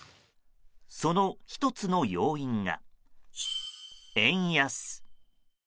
その１つの要因が円安。